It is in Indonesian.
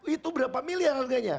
itu berapa miliar harganya